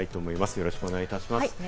よろしくお願いします。